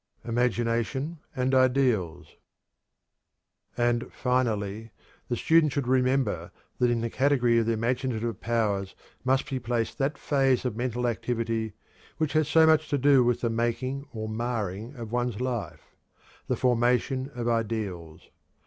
IMAGINATION AND IDEALS. And, finally, the student should remember that in the category of the imaginative powers must be placed that phase of mental activity which has so much to do with the making or marring of one's life the formation of ideals.